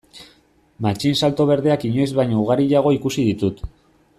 Matxinsalto berdeak inoiz baino ugariago ikusi ditut.